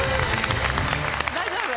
大丈夫？